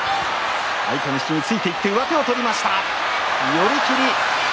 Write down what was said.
寄り切り。